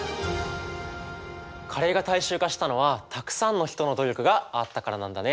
カレーが大衆化したのはたくさんの人の努力があったからなんだね。